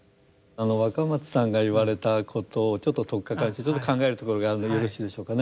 若松さんが言われたことをちょっと取っかかりとしてちょっと考えるところがあるんでよろしいでしょうかね。